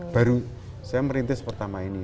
baru saya merintis pertama ini